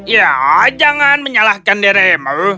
ya jangan menyalahkan dirimu